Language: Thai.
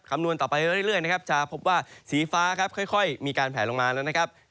นวณต่อไปเรื่อยนะครับจะพบว่าสีฟ้าครับค่อยมีการแผลลงมาแล้วนะครับ